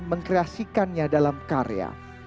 mengkreasikannya dalam karya